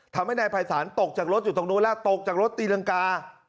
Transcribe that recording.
ทำให้นายภัยศาลตกจากรถอยู่ตรงนู้นแล้วตกจากรถตีรังกา